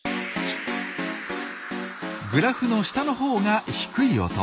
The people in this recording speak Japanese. グラフの下のほうが「低い音」。